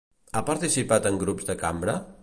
Ha participat en grups de cambra?